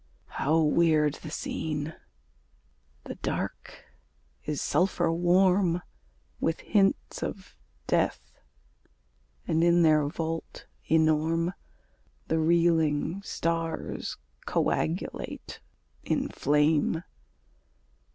How weird the scene! The Dark is sulphur warm With hints of death; and in their vault enorme The reeling stars coagulate in flame.